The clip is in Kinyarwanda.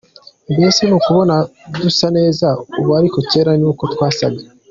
Mbese n’ukubona dusa neza ubu ariko kera ni uko twasaga .